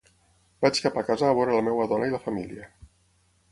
Vaig cap a casa a veure la meva dona i la família.